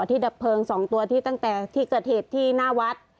ดับเพลิง๒ตัวที่ตั้งแต่ที่เกิดเหตุที่หน้าวัด